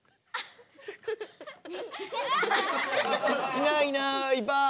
いないいないばあ。